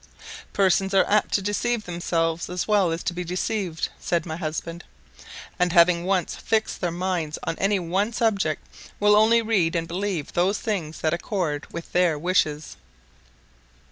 "Persons are apt to deceive themselves as well as to be deceived," said my husband; "and having once fixed their minds on any one subject, will only read and believe those things that accord with their wishes."